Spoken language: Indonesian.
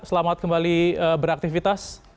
selamat kembali beraktivitas